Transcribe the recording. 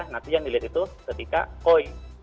nanti yang dilihat itu ketika koi